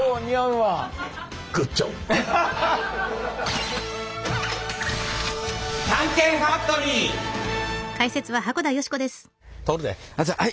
はい。